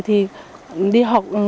thì đi học